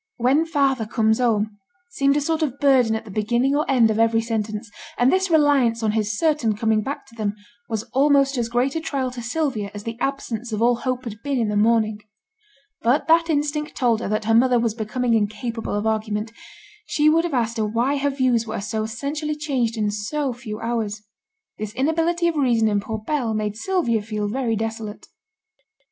'When father comes home,' seemed a sort of burden at the beginning or end of every sentence, and this reliance on his certain coming back to them was almost as great a trial to Sylvia as the absence of all hope had been in the morning. But that instinct told her that her mother was becoming incapable of argument, she would have asked her why her views were so essentially changed in so few hours. This inability of reason in poor Bell made Sylvia feel very desolate.